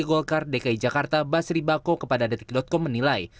gubernur golkar dki jakarta basri bako kepada detik com menilai